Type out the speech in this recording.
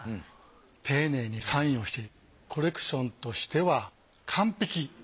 丁寧にサインをしてコレクションとしては完璧。